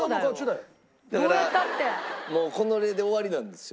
だからもうこれで終わりなんですよ。